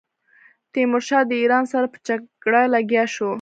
تیمورشاه د ایران سره په جګړه لګیا شو.